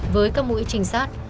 với các mũi trinh sát